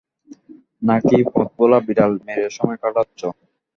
নাকি পথভোলা বিড়াল মেরে সময় কাটাচ্ছ?